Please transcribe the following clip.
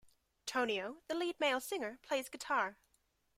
Tonio, the lead male singer, plays guitar.